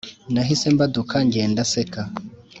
nahise mbaduka ngenda nseka